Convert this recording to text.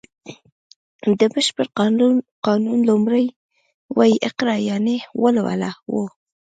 د بشپړ قانون لومړی ویی اقرا یانې ولوله و